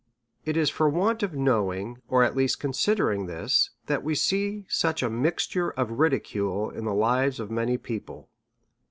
It is for want of knowing, or at least considering this, that we see such a mixture of ridicule in the lives DEVOUT AND HOLY LIFE. of many people.